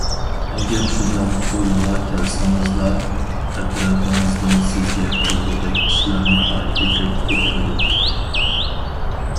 ئەگەر شۇنداق ئويغا كەلسىڭىزلا، ئەتراپىڭىزدا سىزگە قىلغۇدەك ئىشلار ناھايىتى كۆپ تېپىلىدۇ.